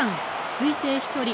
推定飛距離